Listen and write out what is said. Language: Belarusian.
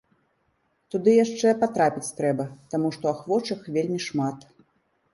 Туды яшчэ патрапіць трэба, таму што ахвочых вельмі шмат.